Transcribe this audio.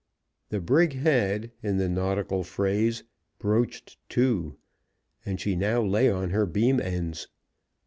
The brig had, in the nautical phrase, "broached to," and she now lay on her beam ends.